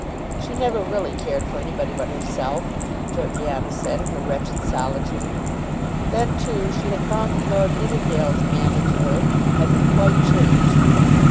"She never really cared for anybody but herself," Georgiana said in her wretched solitude. Then, too, she had found that Lord Nidderdale's manner to her had been quite changed.